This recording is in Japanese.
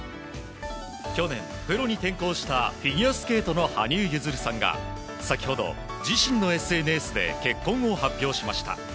去年、プロに転向したフィギュアスケートの羽生結弦さんが先程、自身のＳＮＳで結婚を発表しました。